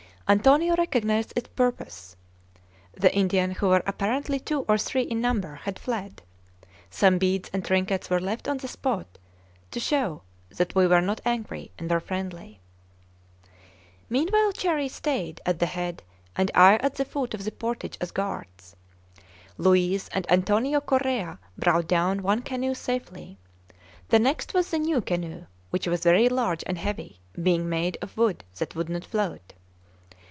Antonio recognized its purpose. The Indians, who were apparently two or three in number, had fled. Some beads and trinkets were left on the spot to show that we were not angry and were friendly. Meanwhile Cherrie stayed at the head and I at the foot of the portage as guards. Luiz and Antonio Correa brought down one canoe safely. The next was the new canoe, which was very large and heavy, being made of wood that would not float.